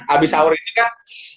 abis sahur ini kan